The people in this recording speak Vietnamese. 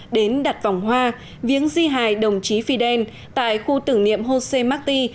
đến đặt vòng hoa viếng di hài đồng chí fidel tại khu tử niệm josé martí